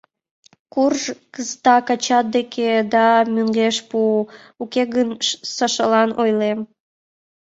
Курж кызытак ачат деке да мӧҥгеш пу, уке гын Сашалан ойлем.